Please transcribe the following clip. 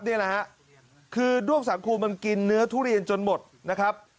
นี่แหละฮะคือด้วงสางครูมันกินเนื้อทุเรียนจนหมดนะครับ